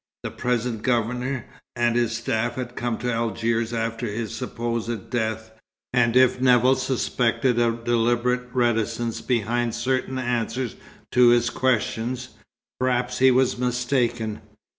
The present Governor and his staff had come to Algiers after his supposed death; and if Nevill suspected a deliberate reticence behind certain answers to his questions, perhaps he was mistaken.